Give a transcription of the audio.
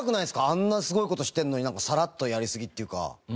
あんなすごい事してるのにサラッとやりすぎっていうか。